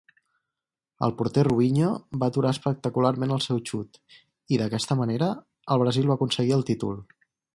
El porter Rubinho va aturar espectacularment el seu xut i, d'aquesta manera, el Brasil va aconseguir el títol.